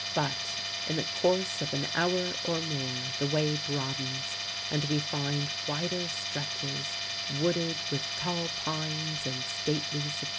But, in the course of an hour or more the way broadens, and we find wider stretches, wooded with tall pines and stately sequoias.